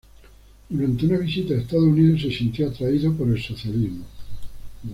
Durante una visita a Estados Unidos, se sintió atraído por el socialismo.